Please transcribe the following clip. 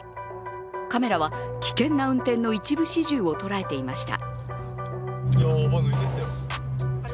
カメラは、危険な運転の一部始終を捉えていました。